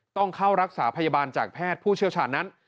ต้องเข้ารักษาพยาบาลจากแพทย์ผู้เชี่ยวชาญนั้น